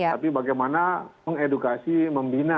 tapi bagaimana mengedukasi membina